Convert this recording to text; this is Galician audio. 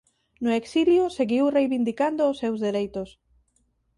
No exilio seguiu reivindicando os seus dereitos.